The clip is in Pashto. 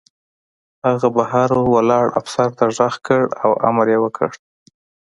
هغه بهر ولاړ افسر ته غږ کړ او امر یې وکړ